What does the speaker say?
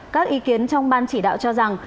các ý kiến trong ban chỉ đạo cho rằng